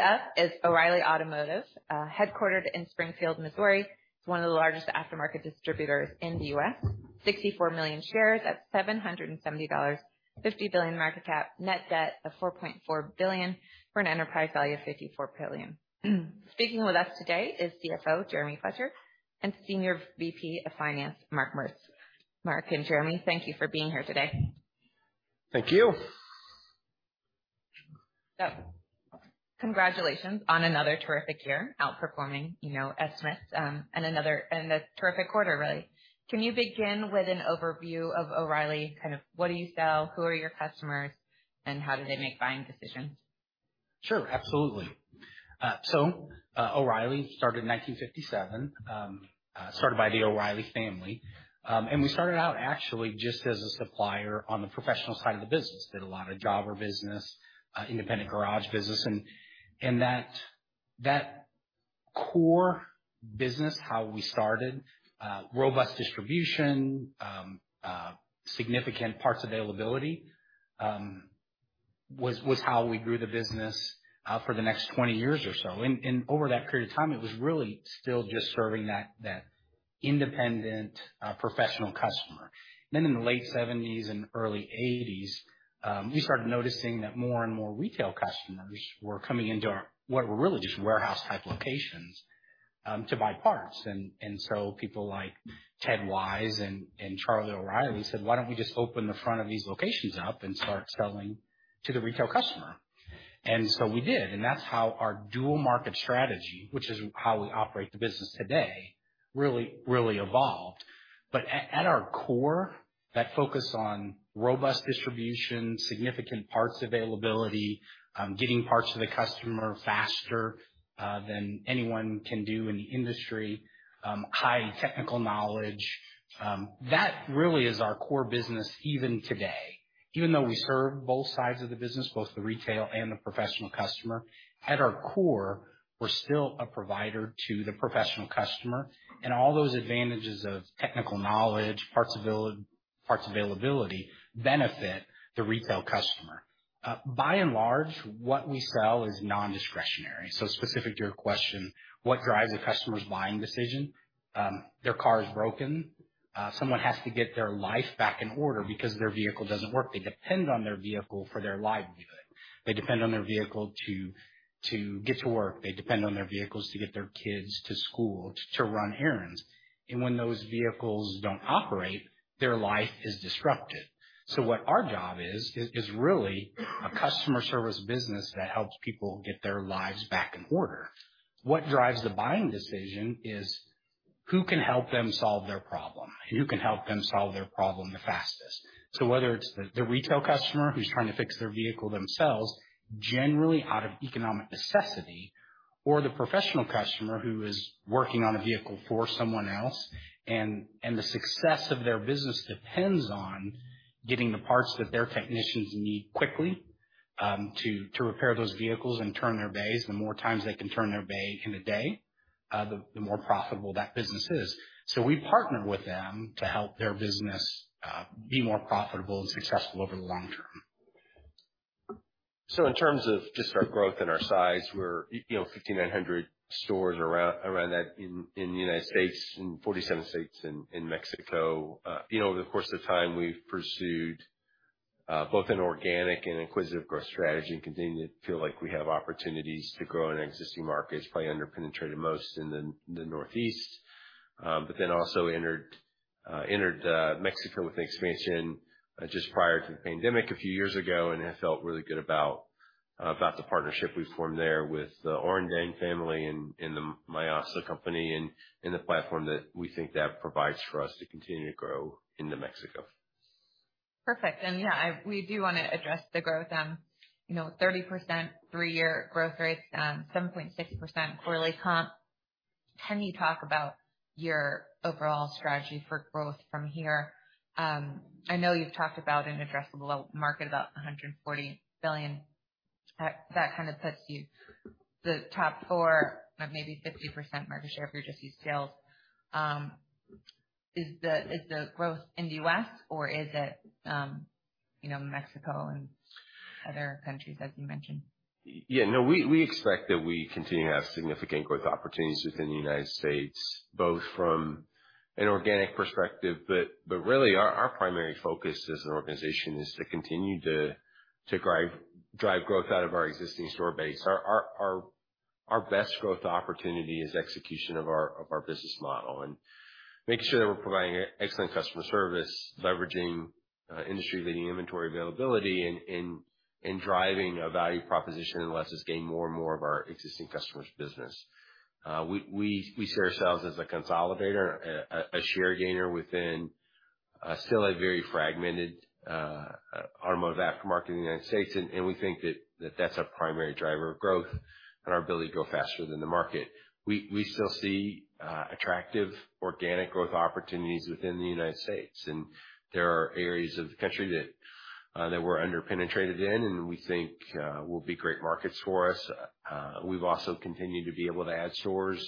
SF is O'Reilly Automotive, headquartered in Springfield, Missouri. It's one of the largest aftermarket distributors in the U.S., 64 million shares at $770, $50 billion market cap, net debt of $4.4 billion for an enterprise value of $54 billion. Speaking with us today is CFO Jeremy Fletcher and Senior VP of Finance, Mark Merz. Mark and Jeremy, thank you for being here today. Thank you. Congratulations on another terrific year, outperforming estimates, and another terrific quarter, really. Can you begin with an overview of O'Reilly? Kind of what do you sell, who are your customers, and how do they make buying decisions? Sure, absolutely. O'Reilly started in 1957, started by the O'Reilly family. We started out actually just as a supplier on the professional side of the business, did a lot of driver business, independent garage business. That core business, how we started, robust distribution, significant parts availability, was how we grew the business for the next 20 years or so. Over that period of time, it was really still just serving that independent, professional customer. In the late 1970s and early 1980s, we started noticing that more and more retail customers were coming into our, what were really just warehouse type locations, to buy parts. People like Ted Wise and Charlie O'Reilly said, why don't we just open the front of these locations up and start selling to the retail customer? We did, and that's how our dual market strategy, which is how we operate the business today, really evolved. At our core, that focus on robust distribution, significant parts availability, getting parts to the customer faster than anyone can do in the industry, high technical knowledge, that really is our core business even today. Even though we serve both sides of the business, both the retail and the professional customer, at our core, we're still a provider to the professional customer. All those advantages of technical knowledge and parts availability benefit the retail customer. By and large, what we sell is non-discretionary. Specific to your question, what drives the customer's buying decision? Their car is broken. Someone has to get their life back in order because their vehicle doesn't work. They depend on their vehicle for their livelihood. They depend on their vehicle to get to work. They depend on their vehicles to get their kids to school, to run errands. When those vehicles don't operate, their life is disrupted. Our job is really a customer service business that helps people get their lives back in order. What drives the buying decision is who can help them solve their problem and who can help them solve their problem the fastest. Whether it's the retail customer who's trying to fix their vehicle themselves, generally out of economic necessity, or the professional customer who is working on a vehicle for someone else, and the success of their business depends on getting the parts that their technicians need quickly to repair those vehicles and turn their bays. The more times they can turn their bay in a day, the more profitable that business is. We partner with them to help their business be more profitable and successful over the long term. In terms of disparate growth in our size, we're 5,900 stores around that in the United States and 47 states in Mexico. Over the course of time, we've pursued both an organic and inquisitive growth strategy and continue to feel like we have opportunities to grow in existing markets, probably underpenetrated most in the Northeast. We also entered Mexico with an expansion just prior to the pandemic a few years ago and have felt really good about the partnership we formed there with the Orendain family and the Mayasa company and the platform that we think that provides for us to continue to grow in Mexico. Perfect. We do want to address the growth, you know, 30% three-year growth rates, 7.6% quarterly comp. Can you talk about your overall strategy for growth from here? I know you've talked about an addressable market about $140 billion. That kind of puts you the top four, maybe 50% market share if you're just used sales. Is the growth in the U.S. or is it Mexico and other countries, as you mentioned? Yeah, no, we expect that we continue to have significant growth opportunities within the United States, both from an organic perspective, but really our primary focus as an organization is to continue to drive growth out of our existing store base. Our best growth opportunity is execution of our business model and make sure that we're providing excellent customer service, leveraging industry-leading inventory availability, and driving a value proposition that lets us gain more and more of our existing customers' business. We see ourselves as a consolidator, a share gainer within, still a very fragmented automotive aftermarket in the United States. We think that that's a primary driver of growth and our ability to grow faster than the market. We still see attractive organic growth opportunities within the United States. There are areas of the country that we're underpenetrated in, and we think will be great markets for us. We've also continued to be able to add stores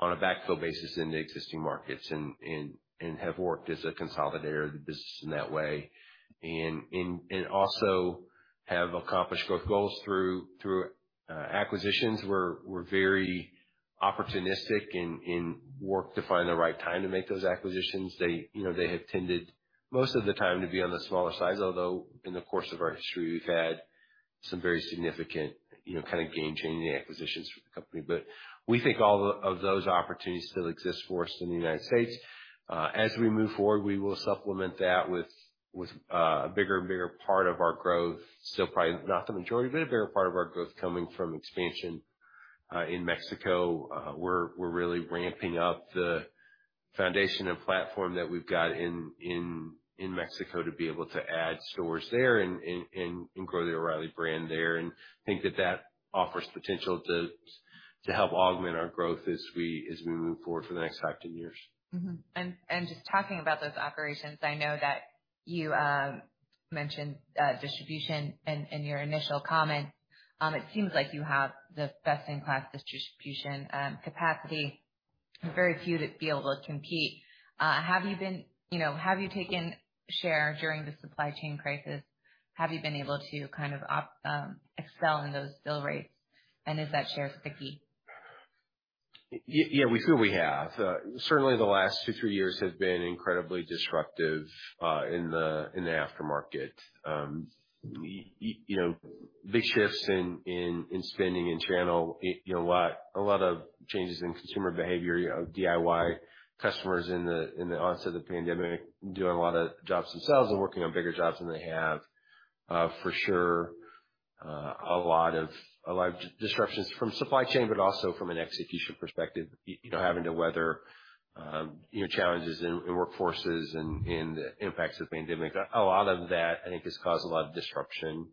on a backfill basis in the existing markets and have worked as a consolidator of the business in that way. We also have accomplished growth goals through acquisitions. We're very opportunistic in work to find the right time to make those acquisitions. They have tended most of the time to be on the smaller sides, although in the course of our history, we've had some very significant, kind of game-changing acquisitions for the company. We think all of those opportunities still exist for us in the United States. As we move forward, we will supplement that with a bigger and bigger part of our growth. Probably not the majority, but a bigger part of our growth coming from expansion in Mexico. We're really ramping up the foundation and platform that we've got in Mexico to be able to add stores there and grow the O'Reilly brand there. I think that that offers potential to help augment our growth as we move forward for the next five to ten years. And just talking about those operations, I know that you mentioned distribution in your initial comments. It seems like you have the best-in-class distribution capacity and very few that feel will compete. Have you been, you know, have you taken share during the supply chain crisis? Have you been able to kind of excel in those still rates? And is that share sticky? Yeah, we feel we have. Certainly the last two, three years have been incredibly disruptive in the aftermarket. You know, big shifts in spending and channel, a lot of changes in consumer behavior of DIY customers in the onset of the pandemic, doing a lot of jobs themselves and working on bigger jobs than they have. For sure, a lot of disruptions from supply chain, but also from an execution perspective, having to weather challenges in workforces and the impacts of the pandemic. A lot of that, I think, has caused a lot of disruption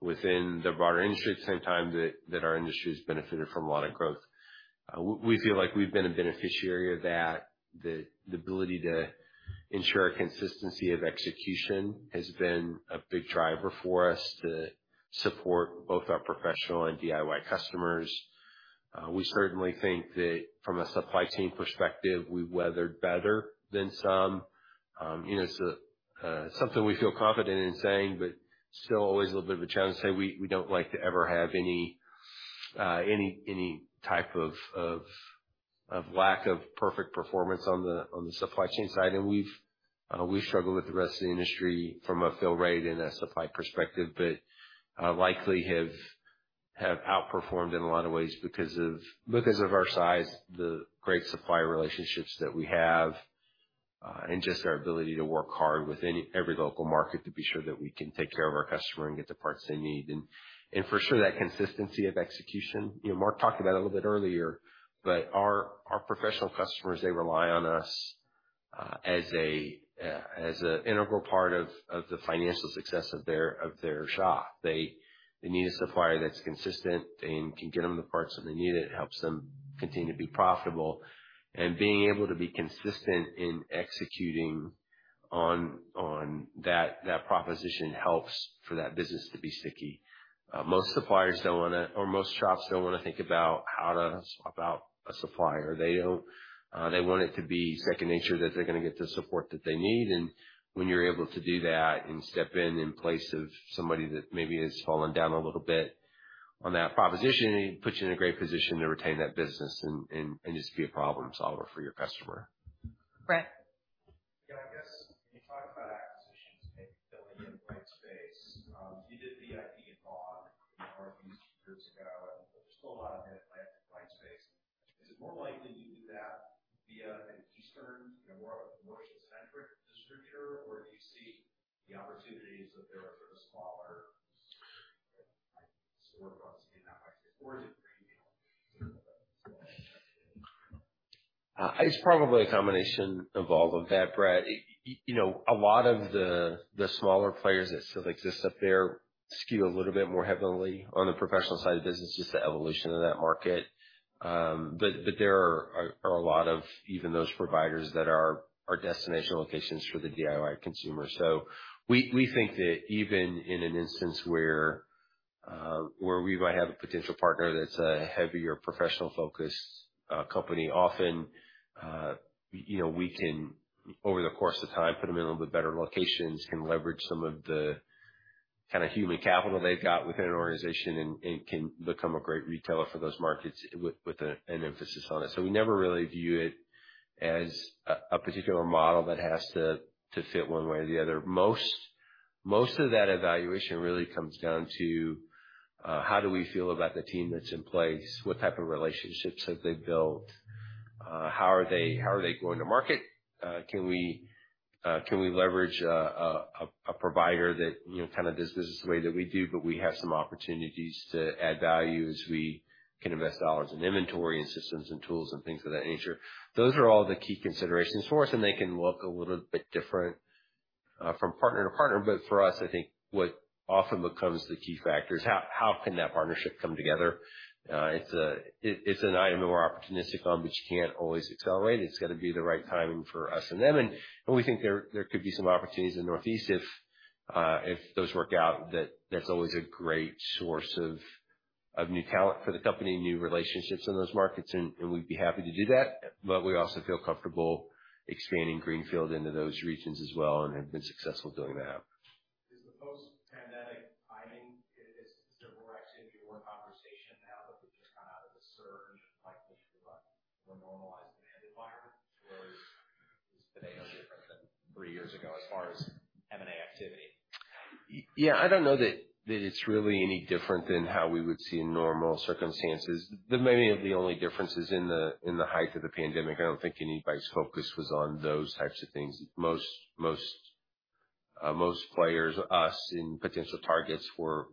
within the broader industry at the same time that our industry has benefited from a lot of growth. We feel like we've been a beneficiary of that. The ability to ensure consistency of execution has been a big driver for us to support both our professional and DIY customers. We certainly think that from a supply chain perspective, we weathered better than some. It's something we feel confident in saying, but still always a little bit of a challenge to say we don't like to ever have any type of lack of perfect performance on the supply chain side. We've struggled with the rest of the industry from a fill rate and a supply perspective, but likely have outperformed in a lot of ways because of our size, the great supplier relationships that we have, and just our ability to work hard within every local market to be sure that we can take care of our customer and get the parts they need. For sure, that consistency of execution, Mark talked about it a little bit earlier, but our professional customers, they rely on us as an integral part of the financial success of their shop. They need a supplier that's consistent and can get them the parts when they need it. It helps them continue to be profitable. Being able to be consistent in executing on that proposition helps for that business to be sticky. Most suppliers don't want to, or most shops don't want to think about how to swap out a supplier. They want it to be second nature that they're going to get the support that they need. When you're able to do that and step in in place of somebody that maybe has fallen down a little bit on that proposition, it puts you in a great position to retain that business and just be a problem solver for your customer. Space. You did the, the. Are you used to this ago, still on a whole language that the concerns for. What is the sector, the future, or do you see the opportunities of their, their smaller? It's probably a combination of all of that, Brad. You know, a lot of the smaller players that still exist up there skew a little bit more heavily on the professional side of the business, just the evolution of that market. There are a lot of even those providers that are our destination locations for the DIY consumer. We think that even in an instance where we might have a potential partner that's a heavier professional focus company, often we can, over the course of time, put them in a little bit better locations, can leverage some of the kind of human capital they've got within an organization, and can become a great retailer for those markets with an emphasis on it. We never really view it as a particular model that has to fit one way or the other. Most of that evaluation really comes down to how do we feel about the team that's in place, what type of relationships have they built, how are they going to market, can we leverage a provider that does this the way that we do, but we have some opportunities to add value as we can invest dollars in inventory and systems and tools and things of that nature. Those are all the key considerations for us, and they can look a little bit different from partner to partner. For us, I think what often becomes the key factor is how can that partnership come together. It's an item in our opportunistic column, but you can't always accelerate. It's got to be the right timing for us and them. We think there could be some opportunities in the Northeast if those work out. That's always a great source of new talent for the company, new relationships in those markets, and we'd be happy to do that. We also feel comfortable expanding Greenfield into those regions as well and have been successful doing that. We're in a conversation now that we just kind of, sort of, the client issue, but we're normalizing the market. Today no different than three years ago as far as M&A activity? Yeah, I don't know that it's really any different than how we would see in normal circumstances. Maybe the only difference is in the height of the pandemic. I don't think anybody's focus was on those types of things. Most players, us, and potential targets were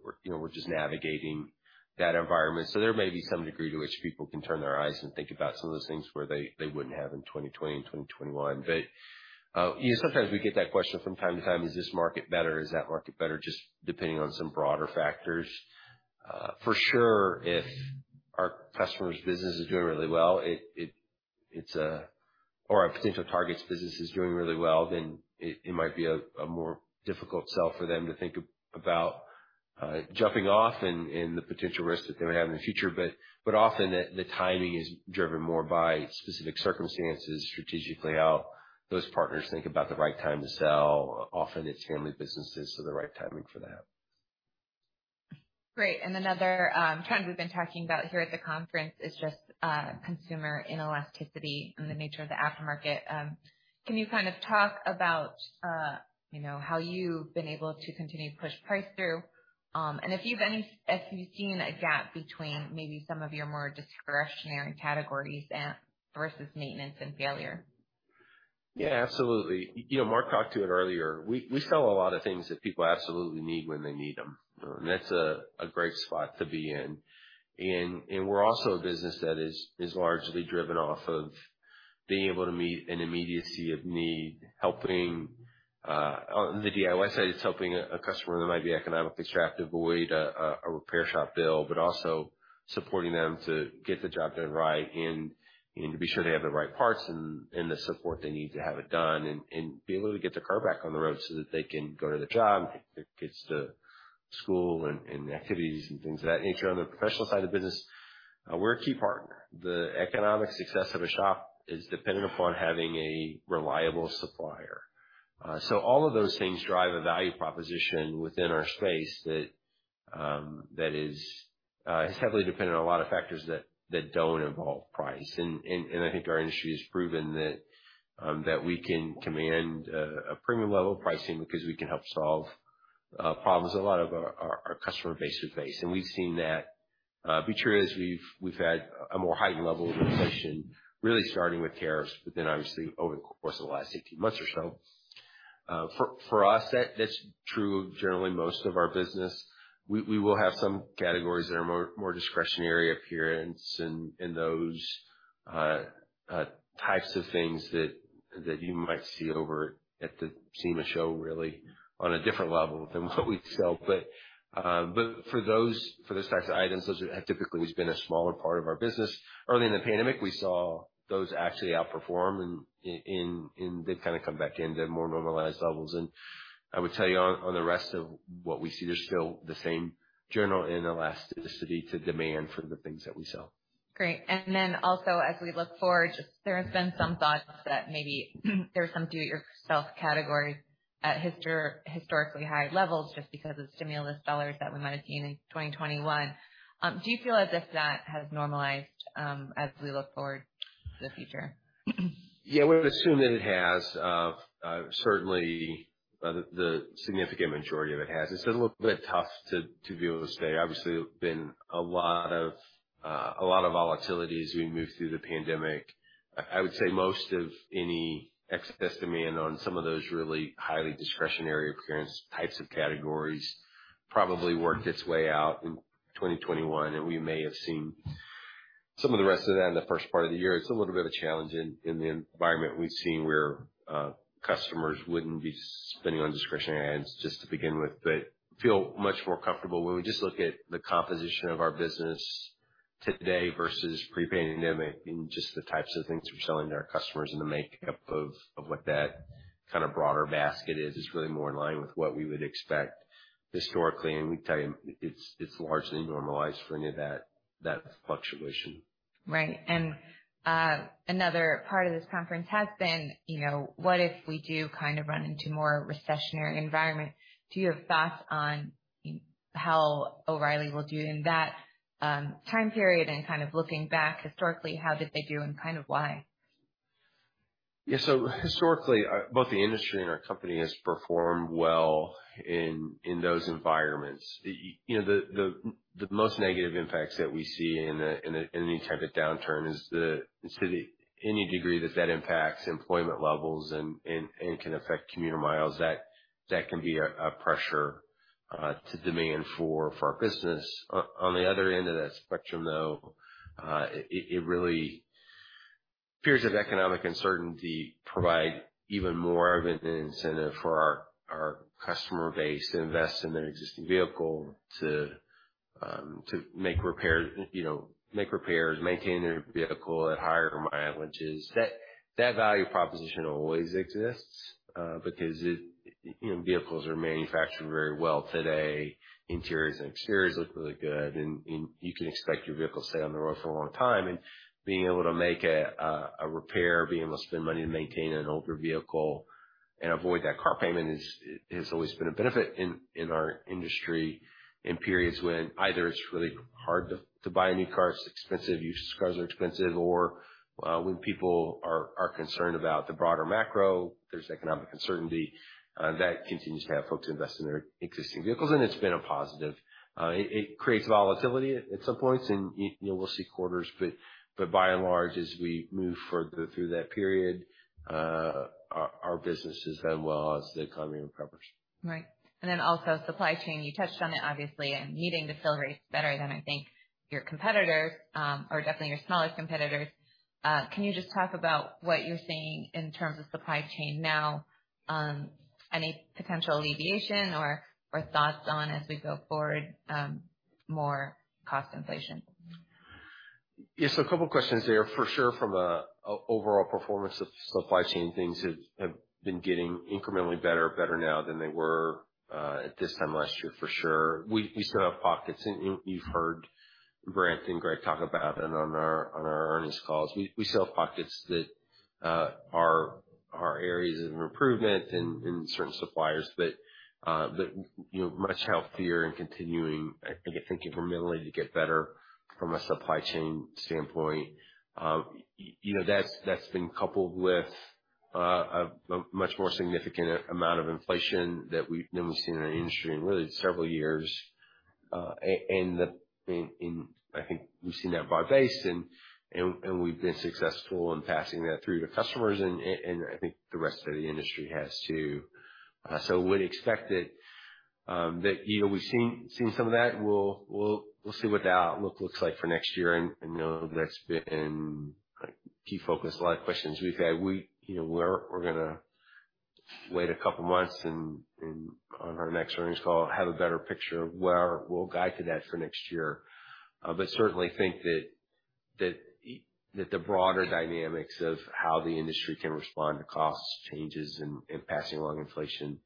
just navigating that environment. There may be some degree to which people can turn their eyes and think about some of those things where they wouldn't have in 2020 and 2021. Sometimes we get that question from time to time, is this market better? Is that market better? Just depending on some broader factors. For sure, if our customer's business is doing really well, or a potential target's business is doing really well, then it might be a more difficult sell for them to think about jumping off and the potential risk that they might have in the future. Often the timing is driven more by specific circumstances, strategically how those partners think about the right time to sell. Often it's family businesses, so the right timing for that. Great. Another trend we've been talking about here at the conference is just consumer inelasticity and the nature of the aftermarket. Can you kind of talk about how you've been able to continue to push price through, and if you've seen a gap between maybe some of your more discretionary categories versus maintenance and failure? Yeah, absolutely. You know, Mark talked to it earlier. We sell a lot of things that people absolutely need when they need them, and that's a great spot to be in. We're also a business that is largely driven off of being able to meet an immediacy of need, helping on the DIY side. It's helping a customer that might be economically strapped to avoid a repair shop bill, but also supporting them to get the job done right and to be sure they have the right parts and the support they need to have it done and be able to get the car back on the road so that they can go to the job, get their kids to school and activities and things of that nature. On the professional side of the business, we're a key partner. The economic success of a shop is dependent upon having a reliable supplier. All of those things drive a value proposition within our space that is heavily dependent on a lot of factors that don't involve price. I think our industry has proven that we can command a premium level of pricing because we can help solve problems a lot of our customers face to face. We've seen that be true as we've had a more heightened level of inflation, really starting with tariffs, but then obviously over the course of the last 18 months or so. For us, that's true of generally most of our business. We will have some categories that are more discretionary appearance and those types of things that you might see over at the SEMA show really on a different level than what we sell. For those types of items, those have typically always been a smaller part of our business. Early in the pandemic, we saw those actually outperform and they've kind of come back into more normalized levels. I would tell you on the rest of what we see, there's still the same general inelasticity to demand for the things that we sell. Great. As we look forward, there has been some thought that maybe there's some do-it-yourself category at historically high levels just because of the stimulus dollars that we might have seen in 2021. Do you feel as if that has normalized as we look forward to the future? Yeah, we would assume that it has. Certainly, the significant majority of it has. It's a little bit tough to view it this way. Obviously, there has been a lot of volatility as we move through the pandemic. I would say most of any excess demand on some of those really highly discretionary appearance types of categories probably worked its way out in 2021, and we may have seen some of the rest of that in the first part of the year. It's a little bit of a challenge in the environment we've seen where customers wouldn't be spending on discretionary ads just to begin with, but feel much more comfortable when we just look at the composition of our business today versus pre-pandemic and just the types of things we're selling to our customers and the makeup of what that kind of broader basket is. It's really more in line with what we would expect historically. I can tell you it's largely normalized for any of that fluctuation. Right. Another part of this conference has been, you know, what if we do kind of run into a more recessionary environment? Do you have thoughts on, you know, how O'Reilly will do in that time period and kind of looking back historically, how did they do and kind of why? Yeah, so historically, both the industry and our company has performed well in those environments. The most negative impacts that we see in any type of downturn is to the degree that that impacts employment levels and can affect commuter miles. That can be a pressure to demand for our business. On the other end of that spectrum, though, periods of economic uncertainty provide even more of an incentive for our customer base to invest in their existing vehicle, to make repairs, maintain their vehicle at higher mileages. That value proposition always exists, because vehicles are manufactured very well today. Interiors and exteriors look really good, and you can expect your vehicle to stay on the road for a long time. Being able to make a repair, being able to spend money to maintain an older vehicle and avoid that car payment has always been a benefit in our industry in periods when either it's really hard to buy a new car, it's expensive, used cars are expensive, or when people are concerned about the broader macro, there's economic uncertainty, that continues to have folks invest in their existing vehicles. It's been a positive. It creates volatility at some points and, you know, we'll see quarters, but by and large, as we move further through that period, our business has done well as the economy recovers. Right. You touched on supply chain, obviously, and needing to fill rates better than, I think, your competitors or definitely your smallest competitors. Can you just talk about what you're seeing in terms of supply chain now? Any potential alleviation or thoughts on as we go forward, more cost inflation? Yeah, so a couple of questions there. For sure, from an overall performance of supply chain, things have been getting incrementally better, better now than they were at this time last year, for sure. We still have pockets, and you've heard Brent and Greg talk about it on our earnings calls. We still have pockets that are areas of improvement in certain suppliers, but, you know, much healthier and continuing, I guess, thinking from Italy to get better from a supply chain standpoint. You know, that's been coupled with a much more significant amount of inflation that we've seen in our industry in really several years, and I think we've seen that by base and we've been successful in passing that through to customers, and I think the rest of the industry has too. I would expect that, you know, we've seen some of that. We'll see what that outlook looks like for next year and know that's been a key focus. A lot of questions we've had, we're going to wait a couple of months and on our next earnings call, have a better picture of where we'll guide to that for next year. I certainly think that the broader dynamics of how the industry can respond to cost changes and passing along inflation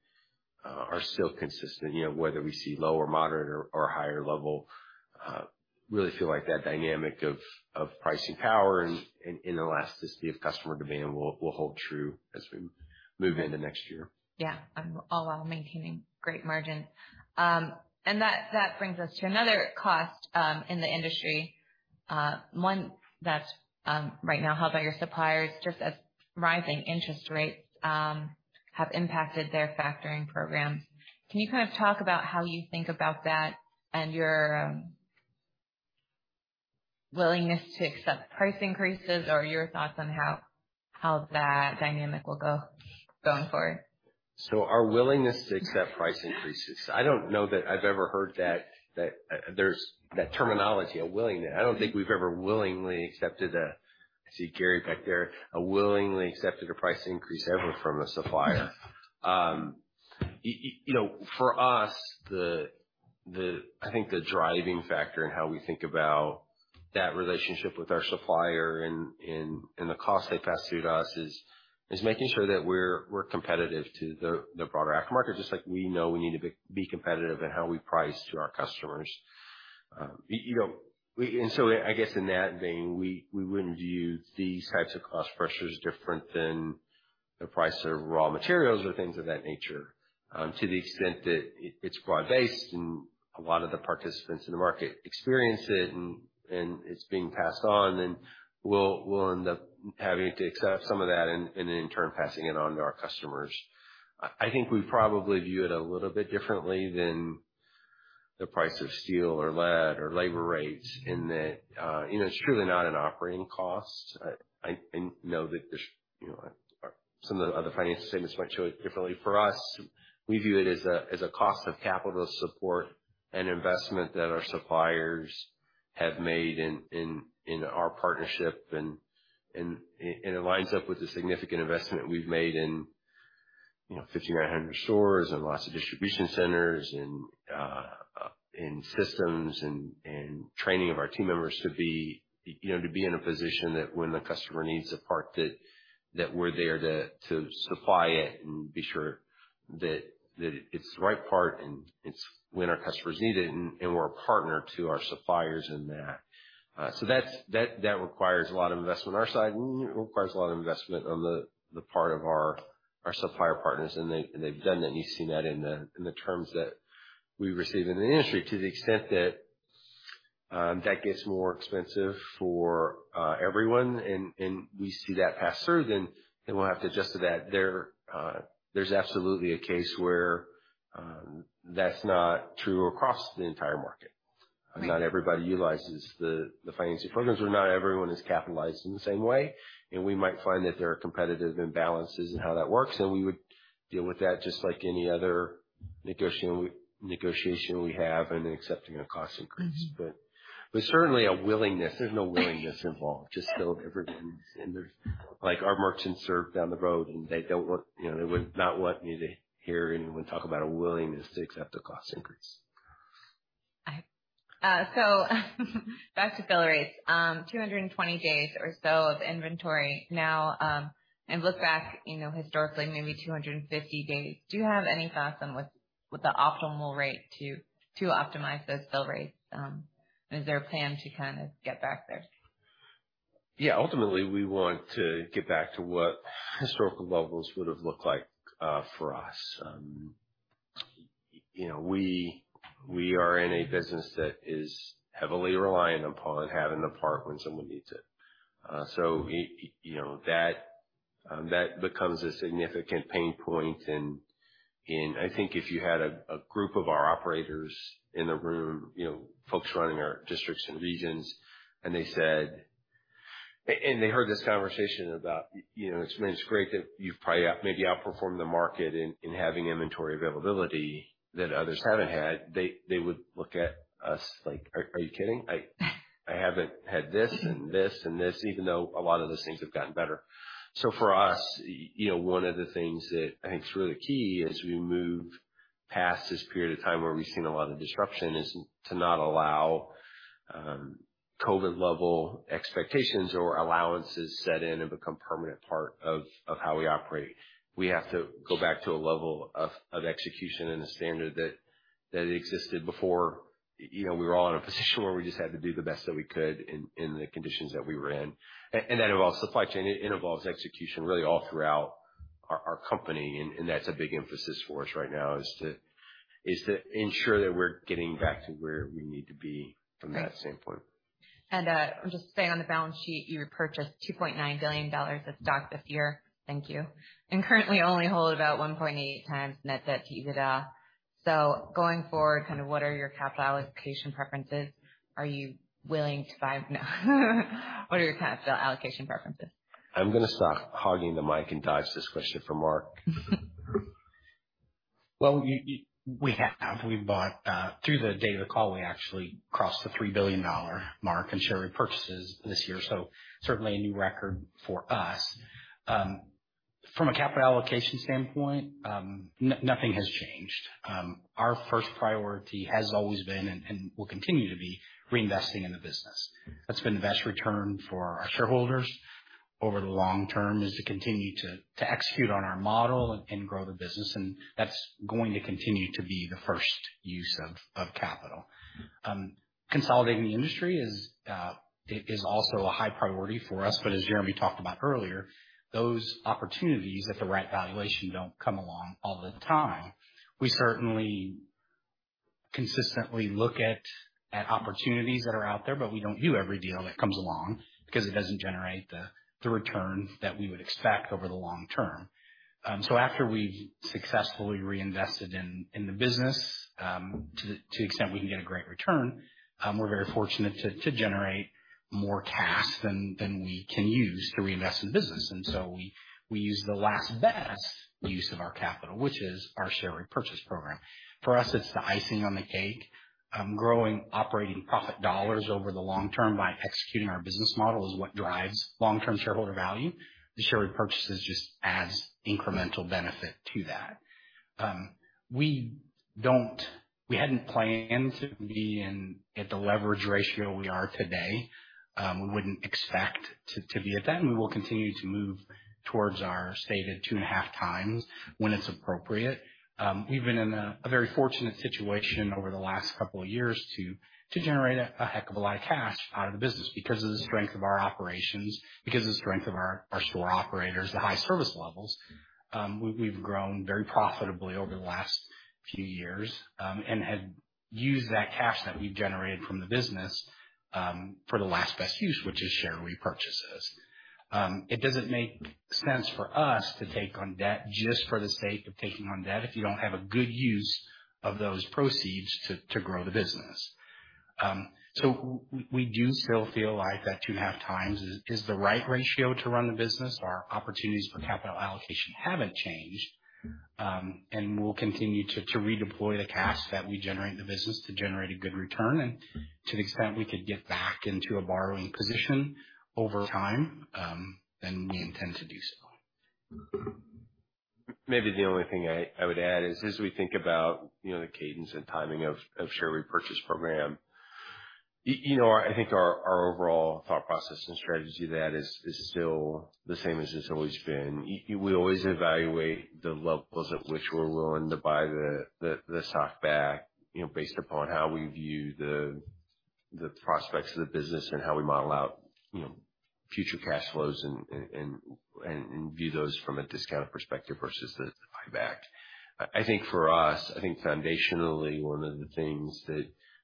are still consistent. You know, whether we see low or moderate or higher level, really feel like that dynamic of pricing power and inelasticity of customer demand will hold true as we move into next year. Yeah. I'm all about maintaining great margin, and that brings us to another cost in the industry, one that's right now held by your suppliers just as rising interest rates have impacted their factoring programs. Can you kind of talk about how you think about that and your willingness to accept price increases or your thoughts on how that dynamic will go going forward? Our willingness to accept price increases, I don't know that I've ever heard that, that there's that terminology, a willingness. I don't think we've ever willingly accepted a, I see Gary back there, a willingly accepted a price increase ever from a supplier. For us, the driving factor in how we think about that relationship with our supplier and the cost they pass through to us is making sure that we're competitive to the broader aftermarket, just like we know we need to be competitive in how we price to our customers. In that vein, we wouldn't view these types of cost pressures different than the price of raw materials or things of that nature, to the extent that it's broad-based and a lot of the participants in the market experience it and it's being passed on. We'll end up having to accept some of that and in turn passing it on to our customers. We probably view it a little bit differently than the price of steel or lead or labor rates in that it's truly not an operating cost. I know that some of the other financial statements might show it differently. For us, we view it as a cost of capital support and investment that our suppliers have made in our partnership, and it lines up with the significant investment we've made in 1,500 stores and lots of distribution centers, in systems, and training of our team members to be in a position that when the customer needs a part, we're there to supply it and be sure that it's the right part and it's when our customers need it and we're a partner to our suppliers in that. That requires a lot of investment on our side and it requires a lot of investment on the part of our supplier partners. They have done that and you've seen that in the terms that we receive in the industry. To the extent that gets more expensive for everyone and we see that pass through, then we'll have to adjust to that. There is absolutely a case where that's not true across the entire market. Not everybody utilizes the financing programs or not everyone is capitalized in the same way. We might find that there are competitive imbalances in how that works. We would deal with that just like any other negotiation we have in accepting a cost increase. Certainly, there's no willingness involved. Just don't ever, and our merchants down the road don't want, you know, they would not want me to hear anyone talk about a willingness to accept a cost increase. Back to fill rates, 220 days or so of inventory. Now, and look back, you know, historically, maybe 250 days. Do you have any thoughts on what the optimal rate to optimize those fill rates, and is there a plan to kind of get back there? Yeah, ultimately we want to get back to what historical levels would have looked like for us. We are in a business that is heavily reliant upon having the part when someone needs it, so that becomes a significant pain point. I think if you had a group of our operators in the room, folks running our districts and regions, and they heard this conversation about, you know, it's great that you've probably maybe outperformed the market in having inventory availability that others haven't had, they would look at us like, are you kidding? I haven't had this and this and this, even though a lot of those things have gotten better. For us, one of the things that I think is really key as we move past this period of time where we've seen a lot of disruption is to not allow COVID level expectations or allowances to set in and become a permanent part of how we operate. We have to go back to a level of execution and a standard that existed before we were all in a position where we just had to do the best that we could in the conditions that we were in. That involves supply chain. It involves execution really all throughout our company. That's a big emphasis for us right now, to ensure that we're getting back to where we need to be from that standpoint. I'm just saying on the balance sheet, you repurchased $2.9 billion this year. Thank you. You currently only hold about 1.8x net debt to EBITDA. Going forward, what are your capital allocation preferences? Are you willing to find, what are your kind of allocation preferences? I'm going to start hogging the mic and dodge this question for Mark. We have to, we bought, through the date of the call, we actually crossed the $3 billion mark in share repurchases this year. Certainly a new record for us. From a capital allocation standpoint, nothing has changed. Our first priority has always been and will continue to be reinvesting in the business. That's been the best return for our shareholders over the long term, to continue to execute on our model and grow the business. That's going to continue to be the first use of capital. Consolidating the industry is also a high priority for us. As Jeremy Fletcher talked about earlier, those opportunities at the right valuation don't come along all the time. We certainly consistently look at opportunities that are out there, but we don't do every deal that comes along because it doesn't generate the returns that we would expect over the long term. After we've successfully reinvested in the business, to the extent we can get a great return, we're very fortunate to generate more cash than we can use to reinvest in the business. We use the last best use of our capital, which is our share repurchase program. For us, it's the icing on the cake. Growing operating profit dollars over the long term by executing our business model is what drives long-term shareholder value. The share repurchases just add incremental benefit to that. We hadn't planned to be in at the leverage ratio we are today. We wouldn't expect to be at that, and we will continue to move towards our stated 2.5x when it's appropriate. Even in a very fortunate situation over the last couple of years to generate a heck of a lot of cash out of the business because of the strength of our operations, because of the strength of our store operators, the high service levels. We've grown very profitably over the last few years, and had used that cash that we've generated from the business for the last best use, which is share repurchases. It doesn't make sense for us to take on debt just for the sake of taking on debt if you don't have a good use of those proceeds to grow the business. We do still feel like that 2.5x is the right ratio to run the business. Our opportunities for capital allocation haven't changed, and we'll continue to redeploy the cash that we generate in the business to generate a good return. To the extent we could get back into a borrowing position over time, then we intend to do so. Maybe the only thing I would add is as we think about the cadence and timing of the share repurchase program, I think our overall thought process and strategy to that is still the same as it's always been. We always evaluate the levels at which we're willing to buy the stock back based upon how we view the prospects of the business and how we model out future cash flows and view those from a discount perspective versus the buyback. I think for us, foundationally one of the things that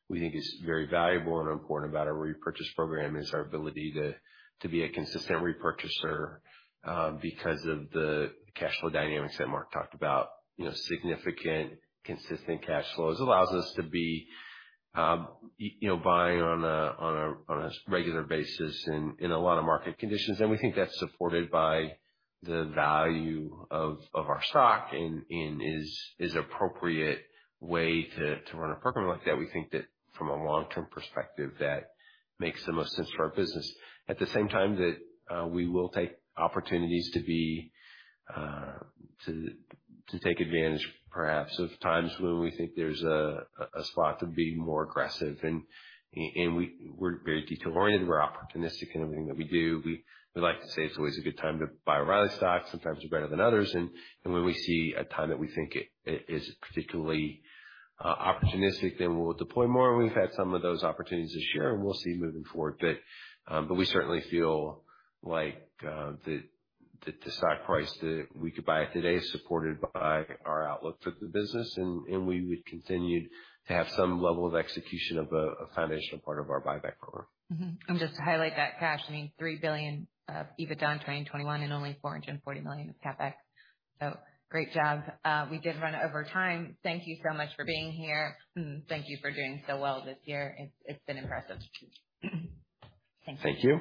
we think is very valuable and important about a repurchase program is our ability to be a consistent repurchaser because of the cash flow dynamics that Mark talked about. Significant consistent cash flows allow us to be buying on a regular basis in a lot of market conditions. We think that's supported by the value of our stock and is an appropriate way to run a program like that. We think that from a long-term perspective, that makes the most sense for our business. At the same time, we will take opportunities to take advantage perhaps of times when we think there's a spot to be more aggressive. We are very detail-oriented. We're opportunistic in everything that we do. We like to say it's always a good time to buy O'Reilly stock. Sometimes they're better than others. When we see a time that we think it is particularly opportunistic, then we'll deploy more. We've had some of those opportunities this year and we'll see moving forward. We certainly feel like the stock price that we could buy it today is supported by our outlook for the business, and we would continue to have some level of execution of a foundational part of our buyback program. And just to highlight that cash, I mean, $3 billion of EBITDA in 2021 and only $440 million of CapEx. Great job. We did run over time. Thank you so much for being here. Thank you for doing so well this year. It's been impressive. Thanks. Thank you.